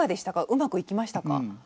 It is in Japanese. うまくいきましたか？